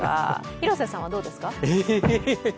広瀬さんは、どうですか？